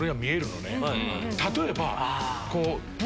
例えば。